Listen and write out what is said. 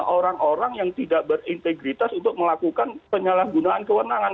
orang orang yang tidak berintegritas untuk melakukan penyalahgunaan kewenangan